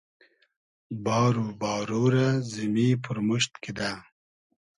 بار و بارۉ رۂ زیمی پورموشت کیدۂ